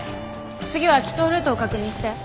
次は帰投ルートを確認して。